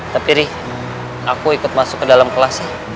tapi riri aku ikut masuk ke dalam kelas ya